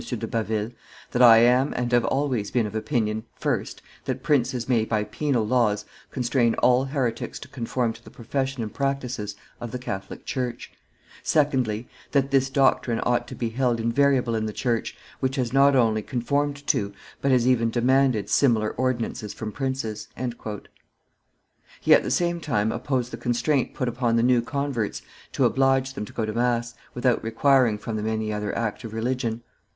de Baville, "that I am and have always been of opinion, first, that princes may by penal laws constrain all heretics to conform to the profession and practices of the Catholic church; secondly, that this doctrine ought to be held invariable in the church, which has not only conformed to, but has even demanded, similar ordinances from princes." He at the same time opposed the constraint put upon the new converts to oblige them to go to mass, without requiring from them any other act of religion.